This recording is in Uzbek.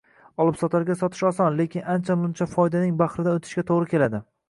Olibsotarga sotish oson, lekin ancha-muncha foydaning bahridan oʻtishga toʻgʻri keladi.